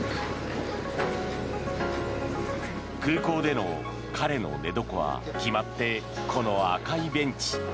空港での彼の寝床は決まってこの赤いベンチ。